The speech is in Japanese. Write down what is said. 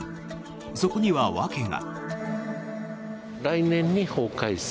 そこには、訳が。